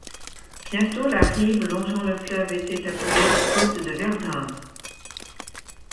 Bientôt la rive longeant le fleuve était appelée Côte de Verdun.